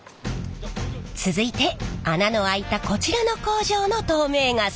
続いて穴の開いたこちらの工場の透明傘。